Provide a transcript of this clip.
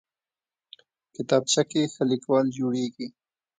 کتابچه کې ښه لیکوال جوړېږي